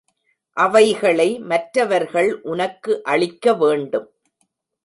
அவைகளை மற்றவர்கள் உனக்கு அளிக்க வேண்டும்.